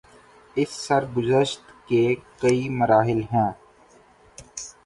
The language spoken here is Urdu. اس سرگزشت کے کئی مراحل ہیں۔